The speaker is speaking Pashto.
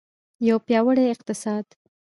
یو پیاوړی اقتصاد.